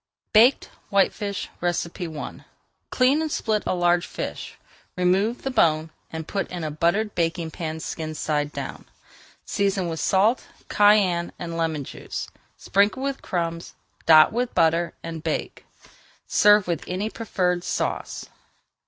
BAKED WHITEFISH I Clean and split a large fish, remove the bone, and put in a buttered baking pan skin side down. Season with salt, cayenne, and lemon juice, [Page 443] sprinkle with crumbs, dot with butter, and bake. Serve with any preferred sauce.